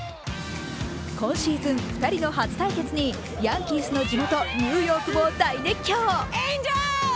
今シーズン２人の初対決にヤンキースの地元ニューヨークも大熱狂。